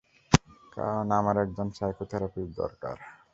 কারণ আমার একজন সাইকোথেরাপিস্ট দরকার।